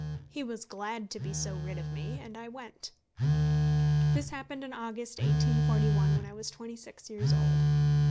He was glad to be so rid of me, and I went. This happened in August, 1841, when I was twenty six years old.